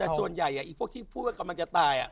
แต่ส่วนใหญ่พวกที่พูดว่ากำลังจะตาย